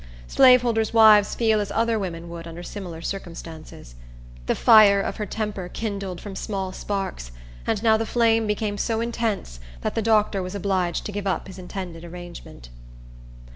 Slaveholders' wives feel as other women would under similar circumstances. The fire of her temper kindled from small sparks, and now the flame became so intense that the doctor was obliged to give up his intended arrangement.